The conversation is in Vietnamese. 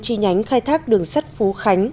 chi nhánh khai thác đường sắt phú khánh